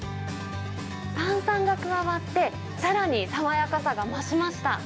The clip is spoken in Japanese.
炭酸が加わって、さらに爽やかさが増しました。